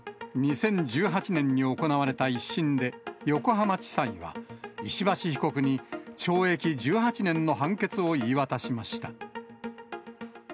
２０１８年に行われた１審で、横浜地裁は石橋被告に懲役１８年の判決を言い渡しました。